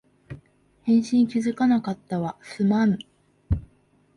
返信気づかなかったわ、すまん